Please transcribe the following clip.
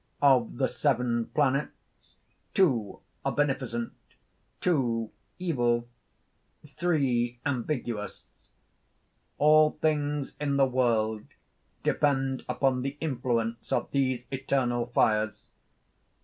"Of the seven planets, two are beneficent; two evil; three ambiguous: all things in the world depend upon the influence of these eternal fires.